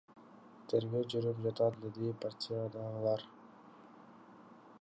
Тергөө жүрүп жатат, — деди партиядагылар.